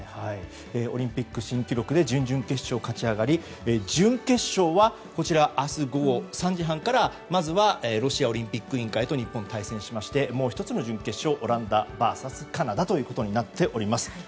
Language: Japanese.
オリンピック新記録で準々決勝を勝ち上がり準決勝は明日午後３時半からまずはロシアオリンピック委員会と日本が対戦しましてもう１つの準決勝はオランダＶＳカナダとなっています。